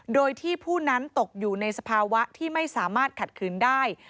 โดยที่ผู้นั้นตกอยู่ในสภาวะที่ไม่สามารถขัดขืนได้